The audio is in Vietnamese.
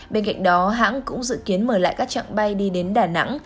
bên cạnh đó hãng cũng dự kiến mở lại các trạng bay đi đến đà nẵng